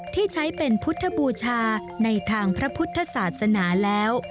ที่ใช้เป็นพุทธบูชาในทางพระพุทธศาสนาแล้ว